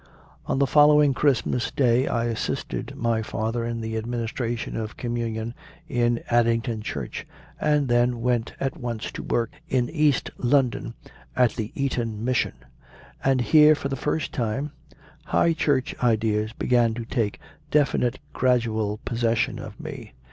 On the following Christmas Day I assisted my father in the administration of Communion in Addington church, and then went at once to work in East London, at the Eton mission; and here, for the first time, High Church ideas began to take definite gradual possession of me.